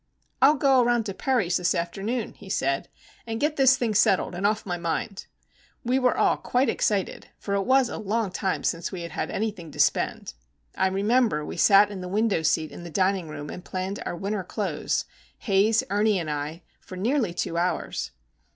"I'll go around to Perry's this afternoon," he said, "and get this thing settled and off my mind." We were all quite excited, for it was a long time since we had had anything to spend. I remember we sat in the window seat in the dining room and planned our winter clothes—Haze, Ernie, and I—for nearly two hours.